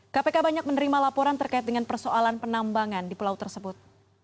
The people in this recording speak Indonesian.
kpk banyak menerima laporan terkait dengan persoalan penambangan di pulau tersebut